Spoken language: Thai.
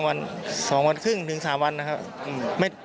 วัน๒วันครึ่งถึง๓วันนะครับ